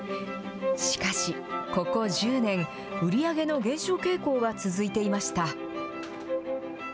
しかし、ここ１０年、売り上げの減少傾向が続いていました。